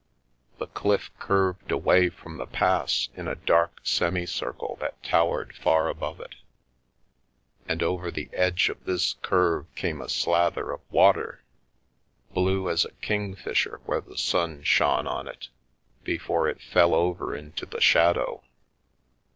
The cliff curved away from the pass in a dark semi circle that towered far above it, and over the edge of this curve came a slather of water, blue as a kingfisher where the sun shone on it before it fell over into the shadow.